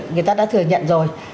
người ta đã thừa nhận rồi